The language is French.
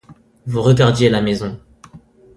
Vous regardiez la maison.